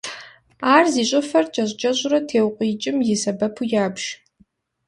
Ар зи щӏыфэр кӏэщӏ-кӏэщӏурэ теукъуеикӏым и сэбэпу ябж.